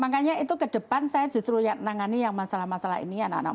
makanya itu ke depan saya justru yang menangani yang masalah masalah ini anak anak